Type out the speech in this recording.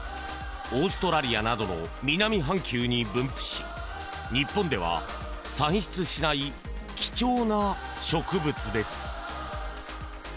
オーストラリアなどの南半球に分布し日本では産出しない貴重な植物です。